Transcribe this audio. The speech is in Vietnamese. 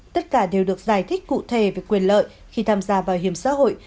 tất cả đều được giải thích cụ thể về quyền lợi khi tham gia bảo hiểm xã hội